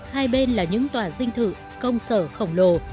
hai bên là những tòa dinh thự công sở khổng lồ